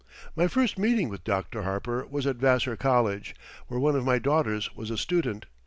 My first meeting with Dr. Harper was at Vassar College, where one of my daughters was a student.